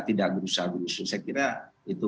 tidak berusaha berusaha saya kira itu